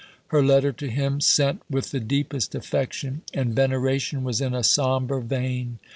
Her letter to him, sent "with the deepest affection and veneration," was in a sombre vein.